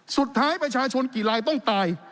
สุดท้ายประชาชนกี่ลายต้องตาย